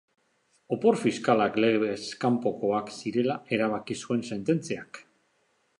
Opor fiskalak legez kanpokoak zirela erabaki zuen sententziak.